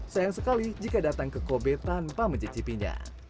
sayang sekali jika datang ke kobe tanpa mencicipinya